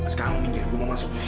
sekarang ini gue mau masuk